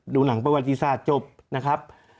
ดูหนังประวัติศาสตร์จบนะครับ